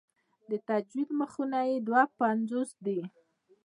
د تجوید مخونه یې دوه پنځوس دي.